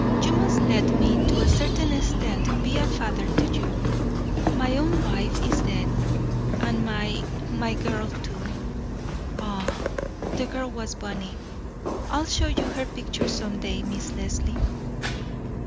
You must let me, to a certain extent, be a father to you. My own wife is dead, and my—my girl, too. Aye, the girl was bonny. I'll show you her picture some day, Miss Leslie."